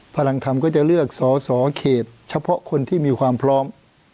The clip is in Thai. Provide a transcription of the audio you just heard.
พลังธรรมก็จะเลือกสอสอเขตเฉพาะคนที่มีความพร้อม